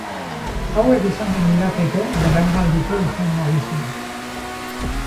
Hauek izanen lirateke belaunaldiko izen nagusiak.